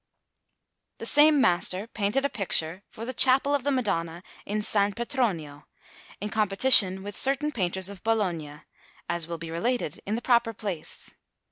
The same master painted a picture for the Chapel of the Madonna in S. Petronio, in competition with certain painters of Bologna, as will be related in the proper place.